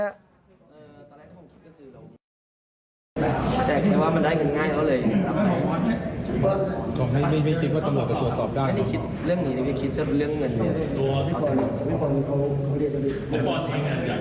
ครับบอลเดี๋ยวเราฟังอะไรฟังเติร์น